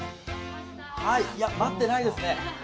待ってないですね。